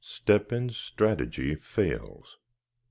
STEP HEN'S STRATEGY FAILS.